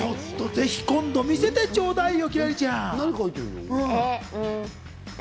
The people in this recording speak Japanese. ぜひ今度見せてちょうだいよ。